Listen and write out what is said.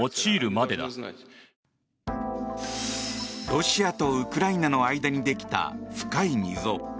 ロシアとウクライナの間にできた深い溝。